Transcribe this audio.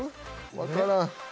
わからん。